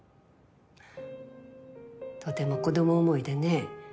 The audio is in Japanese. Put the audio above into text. あっとても子供思いでね